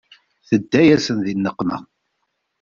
Tedda-yasen di nneqma.